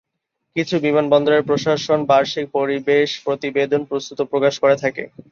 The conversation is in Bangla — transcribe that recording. কিছু বিমানবন্দরের প্রশাসন বার্ষিক পরিবেশ প্রতিবেদন প্রস্তুত ও প্রকাশ করে থাকে।